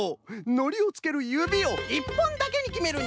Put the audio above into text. のりをつけるゆびを１ぽんだけにきめるんじゃ！